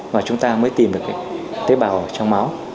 và chúng ta mới tìm được tế bào trong máu